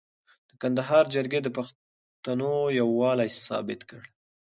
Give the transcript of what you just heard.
د کندهار جرګې د پښتنو یووالی ثابت کړ.